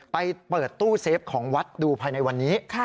ไปเปิดตู้เซฟของวัดดูภายในวันนี้